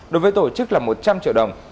đối với tổ chức là một trăm linh triệu đồng